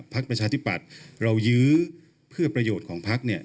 ภักดิ์ประชาธิบัตรเรายื้อเพื่อประโยชน์ของภักดิ์เนี่ย